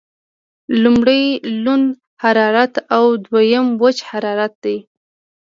لمړی لوند حرارت او دویم وچ حرارت دی.